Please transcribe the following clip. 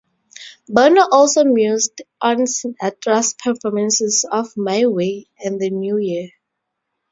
Bono also mused on Sinatra's performances of "My Way", and the new year.